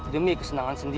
demi kesenangan sendiri